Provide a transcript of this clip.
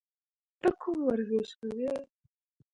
ته کوم ورزش کوې؟